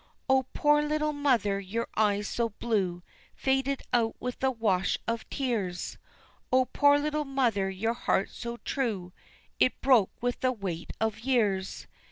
O poor little mother, your eyes so blue, Faded out with the wash of tears! O poor little mother, your heart so true, It broke with the weight of years!